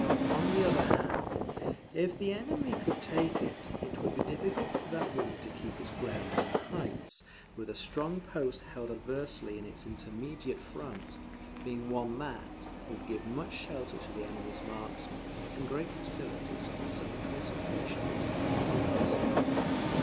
On the other hand, if the enemy could take it, it would be difficult for that wing to keep its ground on the heights, with a strong post held adversely in its immediate front, being one that; would give much shelter to the enemy's marksmen, and great facilities for the sudden concentration of attacking columns.